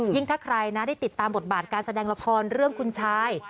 ถ้าใครนะได้ติดตามบทบาทการแสดงละครเรื่องคุณชาย